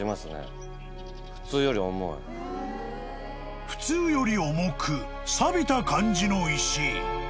［普通より重くさびた感じの石］